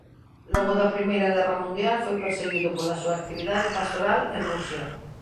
Logo da Primeira Guerra Mundial foi perseguido pola súa actividade pastoral en Rusia.